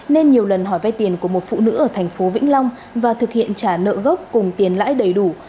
nên nhiều lần hỏi vay tiền của một phụ nữ ở thành phố vĩnh long và thực hiện trả nợ gốc cùng tiền lãi đầy đủ